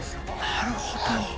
なるほど！